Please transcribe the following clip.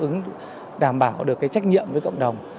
chúng ta vẫn đảm bảo được trách nhiệm với cộng đồng